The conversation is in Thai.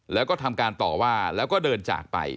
แล้วก็ทำการต่อว่าแล้วก็เดินจากไป